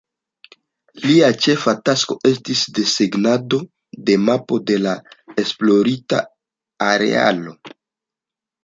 Lia ĉefa tasko estis desegnado de mapo de la esplorita arealo.